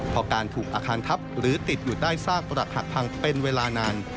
พอการถูกอาคารทับหรือติดอยู่ใต้ซากปรักหักพังเป็นเวลานาน